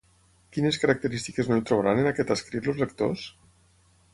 Quines característiques no hi trobaran en aquest escrit els lectors?